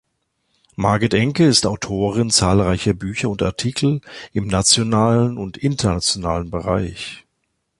Margit Enke ist Autorin zahlreicher Bücher und Artikel im nationalen und internationalen Bereich.